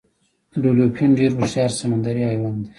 ډولفین ډیر هوښیار سمندری حیوان دی